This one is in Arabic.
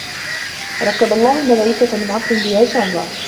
رَكَّبَ اللَّهُ الْمَلَائِكَةَ مِنْ عَقْلٍ بِلَا شَهْوَةٍ